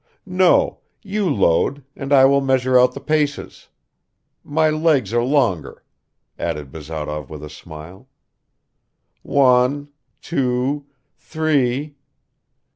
"No; you load, and I will measure out the paces. My legs are longer," added Bazarov with a smile. "One, two, three